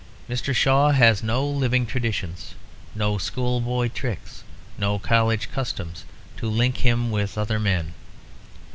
Mr. Shaw has no living traditions, no schoolboy tricks, no college customs, to link him with other men.